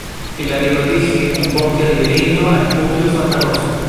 El área protege un bosque ribereño al puquio Santa Rosa.